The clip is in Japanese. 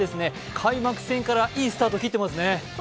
開幕戦からいいスタートを切っていますね。